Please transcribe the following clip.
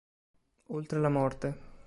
Oltre la morte